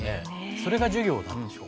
それが授業なんですよ。